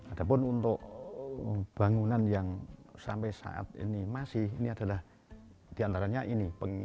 ada pun untuk bangunan yang sampai saat ini masih ini adalah diantaranya ini